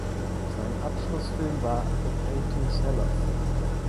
Sein Abschlussfilm war "The Painting Sellers".